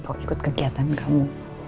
kok ikut kegiatan kamu